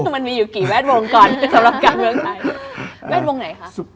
มันมีอยู่กี่แวดวงก่อนสำหรับการเลือกนายกคุกคุก